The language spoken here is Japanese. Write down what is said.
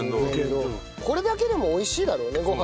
これだけでも美味しいだろうねご飯